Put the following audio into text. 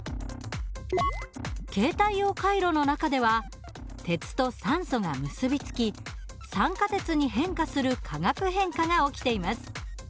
携帯用カイロの中では鉄と酸素が結び付き酸化鉄に変化する化学変化が起きています。